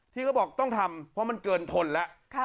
ที่เขาบอกต้องทำเพราะมันเกินทนแล้ว